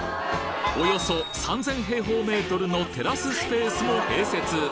およそ３０００平方メートルのテラススペースも併設。